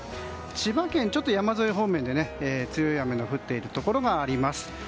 千葉県、山沿い方面で強い雨が降っているところがあります。